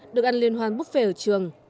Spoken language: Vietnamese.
được ăn liên hoan buffet ở trường